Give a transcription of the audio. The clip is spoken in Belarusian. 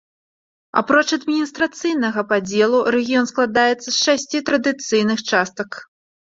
Апроч адміністрацыйнага падзелу рэгіён складаецца з шасці традыцыйных частак.